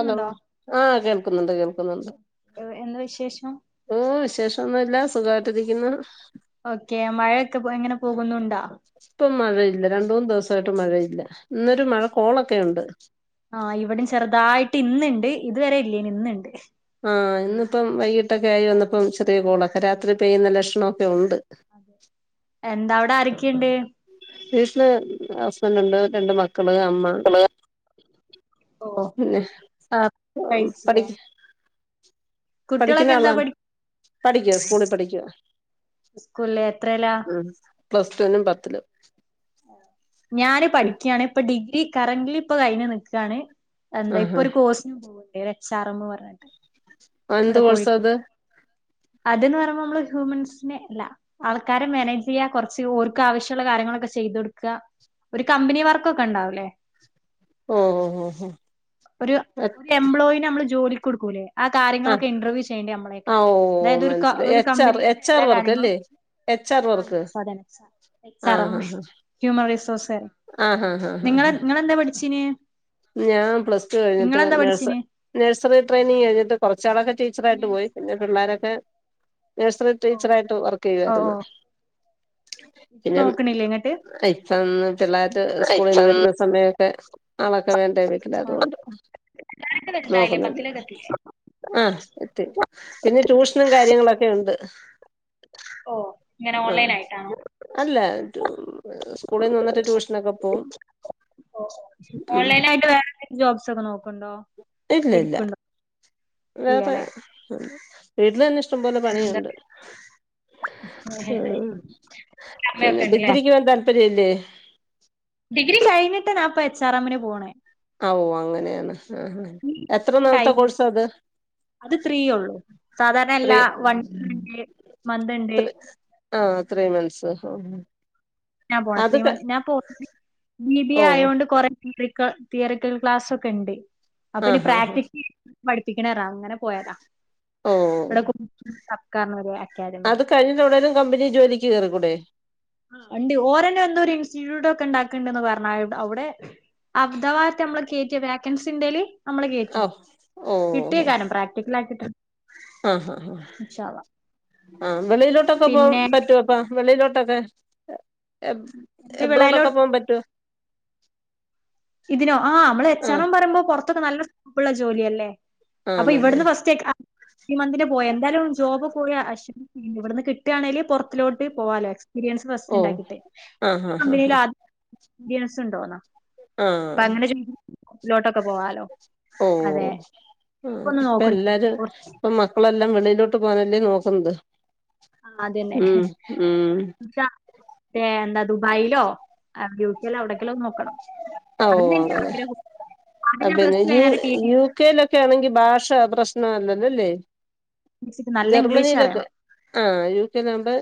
Hello ആഹ് കേൾക്കുന്നുണ്ട് കേൾക്കുന്നുണ്ട് എന്താ വിശേഷം ഓഹ് വിശേഷൊന്നുല്ല സുഖായിട്ടിരിക്കുന്നു ഓക്കെ മഴയൊക്കെ എങ്ങനെ പോകുന്നുണ്ടോ ഇപ്പം മഴയില്ല രണ്ട് മൂന്ന് ദിവസായിട്ട് മഴയില്ല ഇന്നൊരു മഴ കോളൊക്കെയുണ്ട് ആഹ് ഇവിടേം ചെറുതായിട്ട് ഇന്നുണ്ട് ഇതുവരെ ഇല്ലേനു ഇന്ന്ണ്ട് ആഹ് ഇന്നിപ്പം വൈകിട്ടൊക്കെ ആയി ആ വന്നപ്പം ചെറിയ കോളൊക്കെ ഭയങ്കരതിണ്ട്. രാത്രി പെയ്യുന്ന ലക്ഷണൊക്കെ ഉണ്ട് എന്താ അവിടെ ആരൊക്കെയുണ്ട് വീട്ടില് ഹസ്ബന്റ് ഉണ്ട് രണ്ട് മക്കള് അമ്മ ഓ പിന്നെ ആഹ് കഴിച്ചില്ലേ പഠിക്ക കുട്ടികളൊക്കെ പഠിക്കുന്ന എന്താ ആളാണ് പഠി പഠിക്കിന്ന് സ്കൂളിൽ പഠിക്കുവാ സ്കൂളില് എത്രേലാ ഉം പ്ലസ് ടു നും പത്തിലും ഞാന് പഠിക്കയാണ് ഇപ്പൊ ഡിഗ്രി കറന്റ്ലി ഇപ്പൊ കഴിഞ്ഞ് നിക്കാണ് എന്താ ആഹ് ഇപ്പൊ ആഹ് ഒരു കോഴ്സിന് പോവുന്നുണ്ട് എച്ച് ആർ എം ന്ന് പറഞ്ഞിട്ട് എന്ത് കോഴ്‌സാത് അതന്ന് പറയുമ്പോ നമ്മള് ഹ്യൂമൻസിനെ അല്ല ആൾക്കാരെ മാനേജ് ചെയ്യാ കുറച്ച് ഓർക്ക് ആവശ്യള്ള കാര്യങ്ങള് അക്കെചെയ്തൊടുക്ക ഒരു കമ്പനി വർക്കൊക്കെ ഉണ്ടാവുല്ലേ ഓഹ് ഓഹ് ഓഹ് ഓഹ് ഒരു ഒരു എംപ്ലോയിനെ മ്മള് ജോലി കൊടുക്കൂലേ ആ ആഹ് കാര്യങ്ങളൊക്കെ ഇന്റർവ്യൂ ചെയ്യേണ്ട ആ നമ്മളെക്കെ ഓ അതായത് ഒരു മനസ്സിലായി ഒരു എച്ച് ആർ കമ്പനിത്തെ എച്ച് ആർ എല്ലാ വർക്ക് അല്ലേ കാര്യങ്ങളും എച്ച് ആർ ആ വർക്ക് യെസ് പ്പ തന്നെ എച്ച് ആ എച്ച് ആർ എം ഹ്യൂമൻ റി ആഹ് ഹഹ് ആഹ് ഹഹ് പഠിച്ചീന് ഞ പ്ലസ് ടു കഴിഞ്ഞിട്ട് നിങ്ങളെന്താ നഴ്‌സ പഠിച്ചീന് നഴ്‌സറി ട്രൈയിനിംഗ് കഴിഞ്ഞിട്ട് കൊറച്ച് നാളൊക്കെ ടീച്ചറായിട്ട് പോയി പിന്നെ പിള്ളേരൊക്കെ നേഴ്സറി ഓ ടീച്ചറായിട്ട് ഓ ഓ വർക്കിയ്യുവായിരുന്ന് ഇപ്പൊ നോക്കണില്ലേ ഇങ്ങട്ട് പ്പിച്ചന്ന് ചെറതായിട്ട് സ്കൂളിൽന്ന് വരുന്ന സമയൊക്കെ ആളാ ക്കെ വേണ്ടേ വീട്ടില് അതുകൊണ്ട് വലുതായില്ലേ നോക്കുന്ന്ണ്ട് പത്തിലൊക്കെ എത്തില്ലേ ആ എത്തി പിന്നെ ട്യൂഷനും കാര്യങ്ങളൊക്കെ ഉണ്ട് ഓ ഇങ്ങനെ എഹ് ഓൺലൈൻ ആയിട്ടാണോ അല്ല സ്കൂളിൽന്ന് വന്നിട്ട് ട്യൂഷനൊക്കെ പോവും ഓ ഉം ഓൺലൈനായിട്ട് വേറെ വല്ല ജോബ്സ് ഒക്കെ നോക്കണ്ടോ ഇല്ല ഇല്ല ഇടുക്ക്ണ്ടോ വേറെ വീട്ടിലന്നെ ഇഷ്ടംപോലെ എന്താ പണിയുണ്ട് ഏഹ് പിന്നെ സമയൊക്കെണ്ട്ല്ലേ ഡിഗ്രിക്ക് പോവാൻ താല്പര്യല്ലേ ഡിഗ്രി കഴിഞ്ഞിട്ട് ഞാപ്പ എച്ച് ആർ എമ്മിന് പോണേ ആഓ അങ്ങനെയാണ് ആഹ് അ എത്ര നാളത്തെ കഴിഞ്ഞ് കോഴ്സ് അത് അത് ത്രീ ഉള്ളു സാധാരണ എല്ല ത്രീ വൺ [inaudible] ഇണ്ട് മന്ത് ഇണ്ട് ത്രീ ആ ത്രീ മന്ത്സ് ഓ ഓ ഞാൻ പോണ ത്രീ മ ഞാൻ പോ ബി ബി ഓ എ ആയൊണ്ട് കൊറേ ഫീ ട്രിക്ക തിയറിക്കൽ ക്ലാസ്സൊക്കെ ഇണ്ട് അപ്പൊ ആ ഇനി ഹാ ഹാ പ്രാക്ടിക്കല പഠിപ്പിക്കണറാവും അങ്ങനെ പോയതാ ഓ ഇവിടെ [inaudible] ക്കക്കാർന്നുലേ അത് കഴിഞ്ഞട്ട എവിടോലും കമ്പിനി ജോലിക്ക് കയറിക്കൂടെ. ആ ഉണ്ട് ഓരന്നെ എന്തോ ഒരു ഇൻസ്റ്റിറ്റ്യൂട്ട് ഒക്കെ ഉണ്ടാക്കണ്ടന്ന് പറഞ്ഞ അവിടെ അർധവാത്തെ നമ്മള് കേയറ്റിയ വാക്കൻസിന്റെേല് നമ്മള് കേച്ചു ഓ ഓ കിട്ടിയ കാരും പ്രാക്ടിക്കല് ആക്കി ആ ആ ആ ആ വെളിയിലോട്ടൊക്കെ പോ പിന്നെ പറ്റോപ്പ വെളിയിലോട്ട്. ട്ടൊക്കെ എ എന്ത് വിളയിലോ എബ്രോഡൊക്കെ പോകാൻ പറ്റുവ ഇതിനോ ആഹ് നമ്മള് എച്ച് ആ ആർ എം പറയുമ്പോ പുറത്തൊക്കെ നല്ല സ്കോപ്പുള്ള ജോലി അല്ലേ. ആ അപ്പൊ നല്ലേ ഇവിടുന്ന് ഫസ്റ്റ് മന്തിന് പോയ എന്തായാലും ജോബ് പോയ അശ് ഇവിടുന്ന് കി ആണേല് പുറത്തിലോട്ട് പോവാലോ എക്സ്പീരിയൻസ് ഫസ്റ്റ് ഓ ഉണ്ടാക്കിയിട്ട് ആ ഹാ ഹാ ഹാ കമ്പനിയിലാ ജിനസുണ്ടോന്നാ? ആഹ് ലോട്ടൊക്കെ പോവാലോ. അതെ ഓഹ് ആ ഇപ്പൊ ഒന്ന് ഇപ്പ നോക്കണ്ട് എല്ലാരും ഇപ്പ മക്കളെല്ലാം വെളിയിലോട്ട് പോനാല്ലേ നോക്കുന്നത്. ആ അതന്നെ. ഉം ഉം എന്താ ദുബായിലോ അവി ഇല്ല എവിടെക്കെങ്കിലും നോക്കണം [unintelligible] ആഗ്രഹം ആദ്യം അ ഞാൻ പ്ലസ് പിന്നെ ടു യു കഴിഞ്ഞാൽ ടി ടി യു കെയിലൊക്കെ ആണെങ്കി ഭാഷ പ്രശ്നല്ലല്ലോല്ലേ. പഠിച്ചിട്ട് [inaudible] നല്ല ഇംഗ്ലീഷ് ജർമ്മനിയിലൊക്കെ അറിയണം ആ യു കെൽ ആകുമ്പോ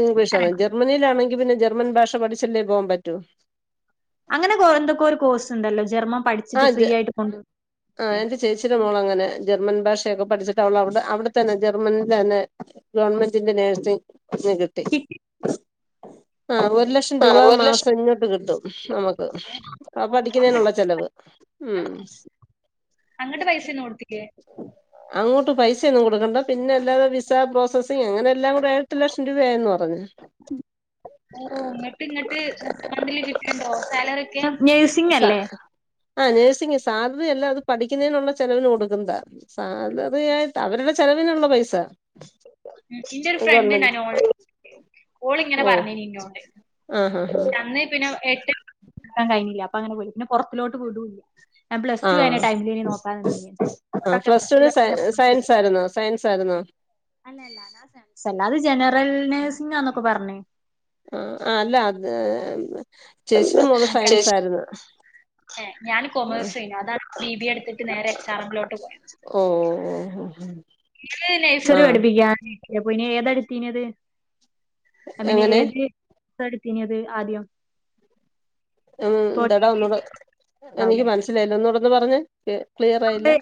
ഇംഗ്ലീഷ് ആണ് അറിയണം ജർമ്മനിയിലാണെങ്കി പിന്നെ ജർമ്മൻ ഭാഷ പഠിച്ചല്ലേ പോകാൻ പറ്റൂ. അങ്ങനെ എന്തൊക്കെ ഒരു കോഴ്സ് ഉണ്ടല്ലോ ജർമ്മൻ പഠിച്ചിട്ട് ആഹ് ഫ്രീ ജ ആയിട്ട് കൊ ആഹ് എന്റെ ചേച്ചിയുടെ മോള് അങ്ങനെ ജർമ്മൻ ഭാഷേക്ക പഠിച്ചിട്ട് അവടെ അവിടെ തന്നെ ജർമ്മനിൽ തന്നെ ഗവൺമെന്റിന്റെ നേഴ്സ് കിട്ടി. കിട്ടിയിട്ടുണ്ടോ ആ ഒരു ലക്ഷം രൂപ മാസം ഇങ്ങോട്ട് കിട്ടും നമുക്ക് പഠിക്കുന്നതിനുള്ള ചെലവ്. ഉം അങ്ങട്ട് പൈസൊന്നും കൊടുത്തില്ലേ? അങ്ങോട്ട് പൈസയൊന്നും കൊടുക്കണ്ട പിന്നെ അല്ലാതെ വിസ പ്രോസസിങ് അങ്ങനെ എല്ലാം കൂടെ ഏഴെട്ട് ലക്ഷം രൂപയായിന്ന് പറഞ്ഞു. ഓ ഇങ്ങോട്ട് ഇങ്ങട്ട്ണ്ടില് കിട്ടണ്ടോ സാലറി ഒക്കെ നഴ്സിംങ്ങ് അല്ലേ? ആഹ് നഴ്സിംഗ് സാ അത് അല്ല അത് പഠിക്കുന്നതിനുള്ള ചെലവിന് കൊടുക്കുന്നതാ സാലറിയായിട്ട് അവരുടെ ചെലവിനുള്ള പൈസ. എന്റെ ഒരു ഫ്രണ്ട് ഗവൺമെന്റ് ഇണ്ടേന് ഓൾ ഓൾ ഇങ്ങനെ ഓ പറഞ്ഞിനി ഇന്നോണ്ട്. ആ ഹാ ഹാ [unintelligible] പിന്നെ [unintelligible] കഴിഞ്ഞില്ല അപ്പൊ അങ്ങനെ പോയി പിന്നെ പുറത്തിലോട്ട് വിടുല്ലാ. ആ നിന്നിനി ഒക്കെ പ്ലസ് ടു ടുവിന് സയ കഴിഞ്ഞ സയൻസ് ആരുന്നോ സയൻസ് ആരു [unintelligible] അല്ലല്ല ഞാൻ സയൻസ് അല്ല അത് ജനറൽ നേഴ്സിംഗാന്നൊക്കെ പറഞ്ഞ്. ആ ആ അല്ല അത് ചേചിട മോള് സയൻസ് ആയിരുന്നു. ഏ ഞാന് ആ കൊമേഴ്സ് കഞ്ഞു അതാണ് ബി ബി എടുത്തിട്ട് നേരെ എക്സാമിലോട്ട് പോയത്. ഉം ഉം ഇങ്ങള് നഴ്‌സറി പഠിപ്പിക്കാൻ പോയിനി നി ഏതടുത്തീനത്? ഐമീന് എങ്ങനെ ഏത് ഇതാ എടുത്തിന് ആദ്യം? ഉം ഇപ്പൊ ടി എന്താടാ ടി ഒന്നുടെ എനിക്ക് മനസ്സിലായില്ല ഒന്നുടെ ഒന്ന് പറഞ്ഞെ നമ്മുടെ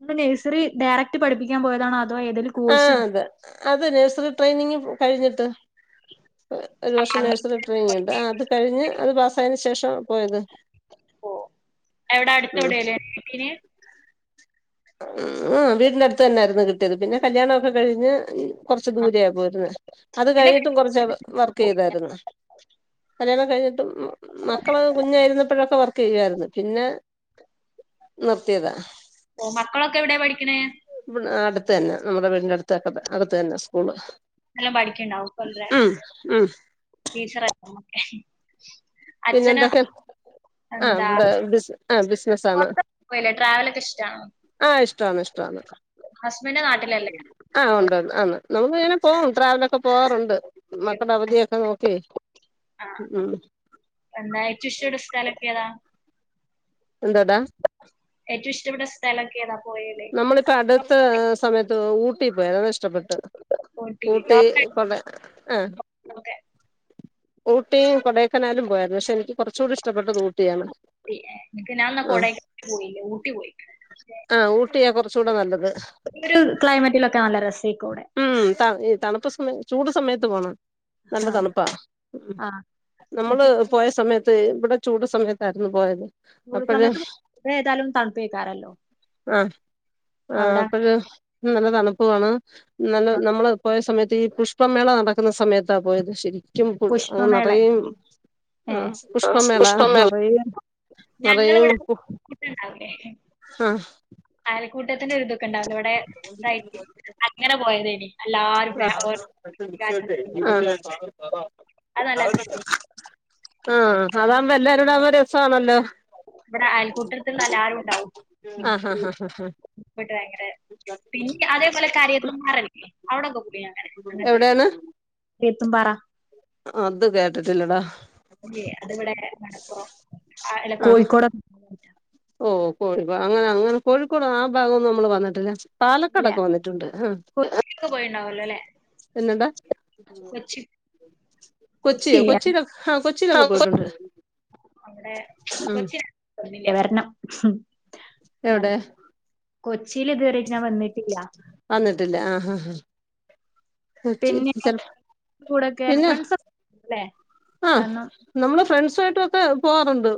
നമ്മ നഴ്സറി ഡയറക്റ്റ് പഠിപ്പിക്കാൻ പോയതാണോ അ ആ അതെ അത് നേഴ്സറി ട്രെയിനിങ് കഴിഞ്ഞിട്ട് ഒരു വർഷം അങ്ങ് നേഴ്സറി ട്രെയിനിങ് ഉണ്ട് അത് കഴിഞ്ഞ് അത് പാസ്സയന് ശേഷം പോയത് ഓ എവിടെ ഉം അടുത്തോടെല്ലേന് കിട്ടിന് ഉ ആ വീടിടുത്ത് തന്നൊയിരുന്നു കിട്ടിയത് പിന്നെ കല്യാണൊക്കെ കഴിഞ്ഞ് കൊറച്ച് ദൂരാ പോയിന്ന അത് പിന്നെ കഴിഞ്ഞിട്ടും കൊറച്ച് വർക്ക് ചെയ്തായിരുന്നു കല്യാണം കഴിഞ്ഞിട്ട് മക്കള കുഞ്ഞായിരുന്നപ്പോഴൊക്കെ വർ ക്ക് ചെയ്യുവാ യിരുന്നു പിന്നെ നിർത്തിയതാ ഓ മക്കളൊക്കെ എവിടെയ പഠിക്കണേ അടുത്ത് തന്നെ നമ്മുടെ വീടിന്റെടുത്തൊക്ക അടുത്ത് തന്നെ സ്കൂള് നല്ലം പഠിക്കണ്ടാവും ല്ലെ ഉം ഉം ടീച്ചറല്ലൊക്കെ പിന്നെന്തൊക്കെ ആ എന്താ ഇവിടെ ബി ആ ബിസിനസ് ആണ് പുറത്തൊക്കെ പോയില്ലേ ട്രാവലൊക്കെ ഇഷ്ടാണോ ആഇഷ്ടന്ന് ഇഷ്ടമാണ് ഹസ്ബൻഡ് നാട്ടിലല്ലേ ആഹ പോയി ഉണ്ട്ന്ന് അന്ന് നമുക്ക്ങ്ങനെ പോകുംട്രാവല ഒക്കെ പോവാറുണ്ട് മക്കുടെ അവധിയൊക്കെ നോക്കി ആ ഉ എന്താ ഏറ്റവും ഇഷ്ട്ടപെട്ട സ്ഥലൊക്കെ ഏതാ എന്താടാ ഏറ്റവും ഇഷ്ടപ്പെട്ട സ്ഥലൊക്കെ താ നമ്മളിപ്പോ അടുത്ത സമയത്ത് ഊട്ടി പോയ ഇഷ്ടപ്പെട്ട് ഊട്ടി കഊട്ടി കൊട ആ ലോക ഊട്ടിയും കൊടേക്കനാലും പോയയിരുന്നു പക്ഷെ എനിക്ക് കുറച്ചുകൂടി ഇഷ്ടപ്പെട്ടത് ഊട്ടിയാണ് എനിക്ക് ഞാൻാ കോടേക്കനാല് പോയില്ല ഊട്ട്ടി ആ കുറച്ചുകൂടെ നല്ലത് ഒരു ക്ലൈമറ്റിലൊക്കെ നല്ല രസമായിരിക്കും അവിടെ ഉ തണുപ്പ സു ചൂട് സമയത്ത് പോണം നല്ല തണുപ്പാ ആ നമ്മള് പോയ സമയത്ത് ഇവിടെ ചൂട് സമയത്തായിരുന്നു പോയത് അപ്പഴ് ചുടുസമയത്ത് ഏതാലും തണുപ്പേക്കാറല്ലോ ആ ആ അപ്പോഴ നല്ല തണുപ്പാണ് നല്ല ആ, നമ്മൾ പോയ സമയത്ത് ഈ പുഷ്പമേള നടക്കുന്ന സമയത്താ പോയത് ശരിക്കും പുഷ്പമേള നിറയെ ഉണ്ട് ഏ ആഹ പുഷ്പമേള നരെ നറേ ഞങ്ങളിവിടെ ആഹ ിക്കൂട്ടത്തിന്റെ ഒരു ദുഖംണ്ടയിരുന്നു അവിടെ ഇന്തായിട്ട് അങ്ങനെ പോയത്േനി ആഹ് അല്ലാർക്കും ആഹ് അ നല്ല ആള്ഷ്ടി ആഹ അതാകുമ്പോ എല്ലാരരുംട ആകുമ്പോ നല്ല രസമാണല്ലോ ഇവിടെ അയൽക്കൂട്ടത്തില് എല്ലാരുംണ്ടാവും ആഹ് ആഹ് ആഹ് ബധട്ട് ഭയങ്കര പിന്നെ അതേപോലെ കാര്യത്ത് പാറല്ലേ ല്ലേ അവിടെൊക്കെ എവിടെയാണ് ബീതും ബറാ അത് കേട്ടിട്ടില്ലടാ അതിവിടെ മലപ്പുറം ആ ആല്ല കോഴിക്കോട് ഓ കോഴിക്കോട് അങ്ങനെ അങ്ങനെ കോഴിക്കോട് ആ ഭാഗംൊന്നും നമ്മള് വന്നിട്ടില്ല ഇല്ല പാലക്കാടൊക്കെ വന്നിട്ടുണ്ട് ഉ കൊച്ചിയിലൊക്കെ പോയിണ്ടാവല്ലോ അല്ലെ പിന്നെന്താ കൊച്ചി കൊച്ചി കൊച്ചിയില്ലേ കൊച്ചിയിലൊെ ആഹ കൊച്ചിയിലൊക്കെ പോയിട്ടുണ്ട് അമ്മടെ ഉം കൊച്ചിന്നില്ലേ വരെണം എവിടെ കൊച്ചിൽ ഇതുവരെ ഞാൻ വന്നിട്ടില്ല വന്നിട്ടില്ല ആഹ് പിന്നെ കൂടെൊക്കെ ഫ്രണ്ട്സ്ൊല്ലേ ആ് നമ്മള് ഫ്രണ്ട്സ ആയിട്ടൊക്കെ പോവാാറുണ്ട്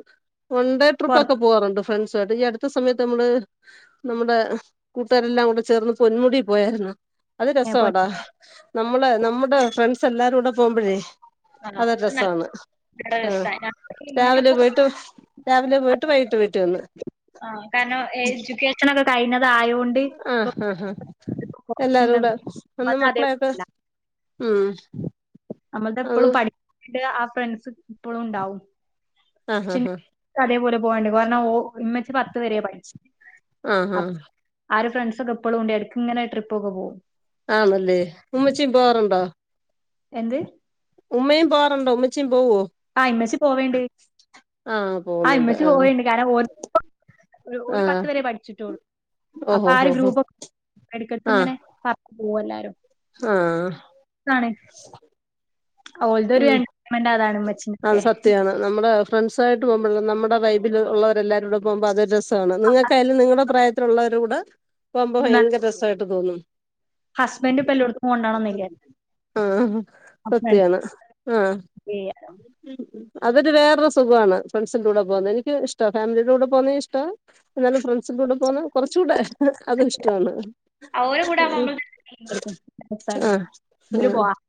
വൺ ഡേ ട്രിപ്പ ഒക്കെ പുറത്ത് പോവാാറുണ്ട് ഫ്രണ്ട്സ് ട്ട ഈ അടുത്ത സമയത്ത് നമ്മള് നമ്മുടെ കൂട്ടുകാരെല്ലാം കൂടെ ചേർന്ന് പൊന്മുടി പോയായിരുന്നു അത് രസ പൊ വാടാ നമ്മളെ നമ്മുടെ ഫ്രണ്ട്സ് എല്ലാരും കൂടെ പോകുമ്പോഴേ അതൊരു നല്ല രസമാണ് ആഹ രസമാണ് രാവിലെ ഇങ്ങനത്തെ പോയിട്ട് രാവിലെ പോയിട്ട് വൈകിട്ട് വീട്ടിവന്ന് ആഹ കാരണം എഡ്യൂക്കേഷൻൊക്കെ കഴിഞ്ഞ ആഹ ആഹ ഹാ എല്ലാരും കൂടെ ഒന്ന് മക്കളെ ഒൊക്കെ അതേപോലെയല്ല ഉം നമ്മൾ അത് എപ്പോഴും പഠി ആ ഫ്രണ്ട്സ് ഇപ്പോഴും ഉണ്ടാവും ആഹ് ആഹ് ആഹ് അതേപോലെ പോവാണ്ട് കാരണം ഓ ഉമ്മ ച്ചിപത്ത് വരയ പഠിച്ചത് ആഹ് ആ ഫ്രണ്ട് ഒക്കെ എപ്പോുളും ഒണ്ട് എടക് ഇങ്ങനെ ട്രിപ്പ് ഒക്കെ പോവും ആണല്ലേ ഉമ്മച്ചും പോവാറുണ്ടോ എന്ത് ഉമ്മയും പോകാറുണ്ടോ ഉമ്മച്ചയും ആ ഉമ്മച്ചി പോവാറുണ്ട് ആഹ് പോകുന്നുണ്ട് ആഉമ്മച്ചി ആഹ് പോവാറുണ്ട് കാരണം ഒരു ഒരു ആഹ് പത്ത് വരെ പഠിച്ചിട്ടുള്ളൂ അപ്പൊ ഓഹോ ആ ഹോ ഒരു ഹോ ഗ്രൂപ് ഇടക്കിടക്ക് ഇങ്ങനെ പുറത്ത് പോവും എല്ലാരും ആഹ ഓ ഇതൊരു എന്റർട്മെന്റ് അതാണ് അത് ഇമ്മച്ചിനൊക്കെ സത്യമാണ് നമ്മുടെ ഫ്രണ്ട്സ ആയിട്ട് പോകുമ്പോ നമ്മുടെ വൈബിൽ ഉള്ളവരെല്ലാരൂടെ പോകുമ്പോ അതൊരു രസമ ര സമാണ് നിങ്ങൾക്ക് ആയാലും നിങ്ങളുടെ പ്രായത്തിലുള്ളവര കൂടെ പോകുമ്പോൾ ഭയങ്കര രസമായിട്ട് തോന്നും ഹസ്ബൻഡ് ഇപ്പൊ എല്ലായിടത്തും കൊണ്ടാണെന്നില്ല ആഹ ഫ്രണ്ട്സ് സത്യയാണ് ആഹ അതൊരു വേറരു സുഖമാണ് ഫ്രണ്ട്സിൻന്റെറെ കൂടെ പോകുന്നത് എനിക്ക് ഇഷ്ട ഫാമിലിയുടെ കൂടെ പോകുന്നേ ഇഷ്ടോ എന്നാലും ഫ്രണ്ട്സിൻ കൂടെ പോന്നതും കുറച്ച്കൂടെ അതും ഇഷ്ടമാണ് കൂ ആഹ് ന ഇത [inaudible]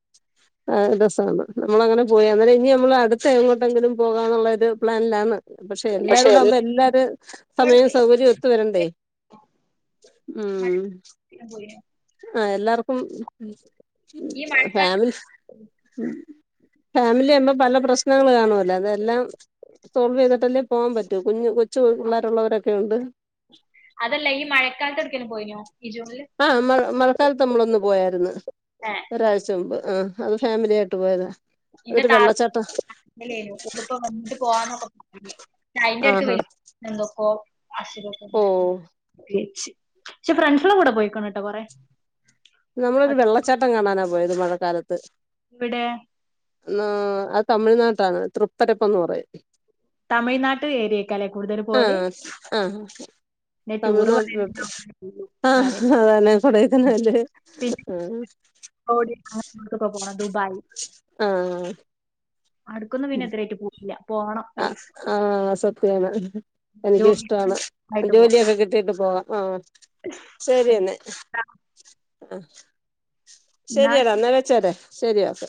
ആ രസമാണ് നമ്മൾ അങ്ങനെ പോയി അന്നേരം ഇനി നമ്മൾ അടുത്ത എങ്ങോട്ടെങ്കിലും പോകാാനുള്ള ഒരു പ്ലാനിലാണ് പക്ഷെ എല്ലാരും കൂടെ ആകുമ്പോ എല്ലാരും സമയവും സൗകര്യവും ഒത്തു വരണ്ടേ ഉം ആ എല്ലാർക്കും ഈ മഴക്കാലത്ത് ഫാമിലി ഫാമിലി ആയുമ്പോ പല പ്രശ്നങ്ങള്ൾ കാണുവല്ലോഅതെല്ലാം സോൾവ് ചെയ്തിട്ടല്ലേ പോവാാൻ പറ്റ കുഞ് കൊച്ചു പിള്ളേരുള്ളവരൊക്കെ ഉള്ളവർ ഉണ്ട് അതല്ല ഈ മഴക്കാലത്ത് എവിടെക്കെങ്കിലും പോയിരുനോ ആഹ മ മഴക്കാലത്ത് നമ്മളൊന്ന് പോയായിരുന്നു ഏഹ് ഒരാഴ്ച മുമ്പ് ആ അത് ഫാമിലി ആയിട്ട് പോയത അതൊരു വെള്ളച്ചാട്ടം അങ്ങ കൂടിപ്പ വന്നിട്ട് പോവാന്നൊക്കെ പറ പക്ഷ അയിന്റെറ അടുത്ത് ആഹാ വല എന്തൊക്കയാ ആശീർവ ദിച്ച് ഓഹ് അയച്ചു പക്ഷെ ഫ്രണ്ട്സിന്റെ കൂടെ പോയിക്കണ്കേട്ടോ കൊറെ നമ്മളൊരു അത് വെള്ളച്ചാട്ടം കാണാനാ പോയത് മഴക്കാലത്ത് ഇവിടെ അത് തമിഴ്നാട്ടാണ് തൃപ്പരപ്പന്ന് പറയും തമിഴ്നാട്ട് ഏരിയക്കല്ലേ കൂടുതൽ പോവല് ആഹ ആഹ പിന്നെ സമന ടൂറ് പറയുന്ന ആഹ കാര്യം അതാനെ കൊൂടതന അല് പിന്നെ [inaudible] ആഹ [inaudible] പോണം ദുബായ് ആഹ് അവിടെ ക്കൊന്നും പിന്നെ ഇതുവരെക്കും പോയിട്ടില്ല ആ ആഹ് [inaudible] എനിക്ക് ജോലി ഇഷ്ടമാണ് ആയിട്ട് പോവാം ജോലിയൊക്കെ കിട്ടീട്ട് പോവാൻ ആ ശരിയെന്നെ ആഹ ശരിയാടാ എന്നാ വെച്ചാരേ ശെരിയാക്ക